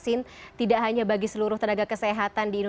untuk menjawab pertanyaan ini